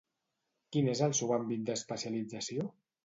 Quin és el seu àmbit d'especialització?